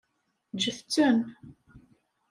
Ǧǧet-ten.